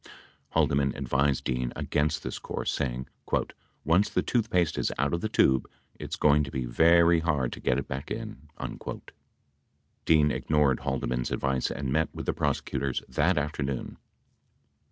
Haldeman advised Dean against this course, say ing : "Once the toothpaste is out of the tube, it's going to be very hard to get it back in." Dean ignored Haldeman's advice and met with the prosecutors that afternoon.